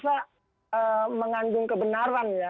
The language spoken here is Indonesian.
tidak mengandung kebenarannya